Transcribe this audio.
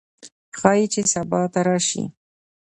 ښايي چې سبا ته راشي